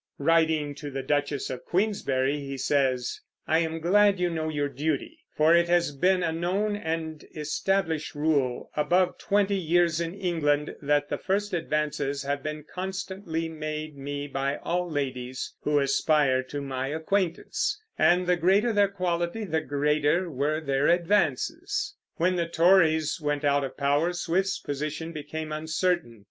Writing to the Duchess of Queensberry he says: I am glad you know your duty; for it has been a known and established rule above twenty years in England that the first advances have been constantly made me by all ladies who aspire to my acquaintance, and the greater their quality the greater were their advances. When the Tories went out of power Swift's position became uncertain.